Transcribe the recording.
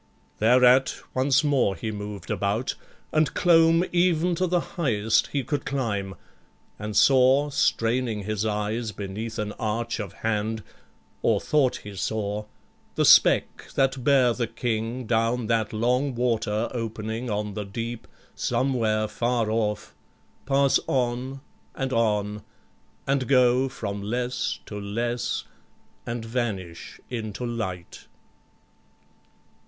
Thereat once more he moved about, and clomb Ev'n to the highest he could climb, and saw, Straining his eyes beneath an arch of hand, Or thought he saw, the speck that bare the King, Down that long water opening on the deep Somewhere far off, pass on and on, and go From less to less and vanish into light.